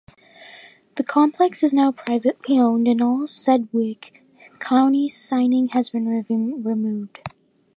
The complex is now privately owned and all Sedgwick County signing has been removed.